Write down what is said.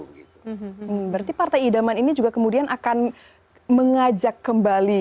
berarti partai idaman ini juga kemudian akan mengajak kembali